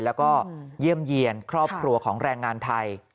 แล้วก็เยี่ยมเยี่ยนครอบครัวของแรงงานไทย